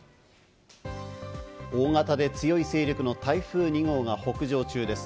大型で強い勢力の台風２号が北上中です。